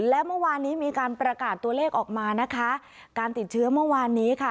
และเมื่อวานนี้มีการประกาศตัวเลขออกมานะคะการติดเชื้อเมื่อวานนี้ค่ะ